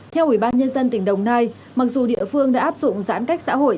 theo ubnd tỉnh đồng nai mặc dù địa phương đã áp dụng giãn cách xã hội